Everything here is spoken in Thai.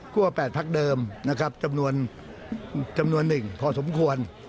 คั่วแปดพักเดิมนะครับจำนวน๑พอสมควร